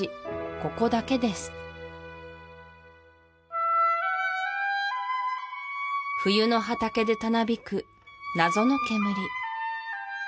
ここだけです冬の畑でたなびく謎の煙